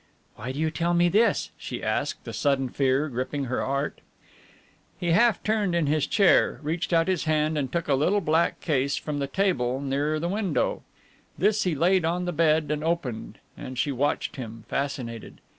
"Why do you tell me this?" she asked, a sudden fear gripping her heart. He half turned in his chair, reached out his hand and took a little black case from the table near the window. This he laid on the bed and opened, and she watched him, fascinated.